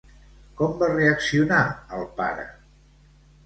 Com va reaccionar el pare?